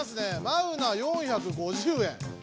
マウナ４５０円。